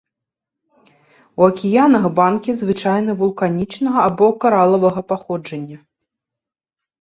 У акіянах банкі звычайна вулканічнага або каралавага паходжання.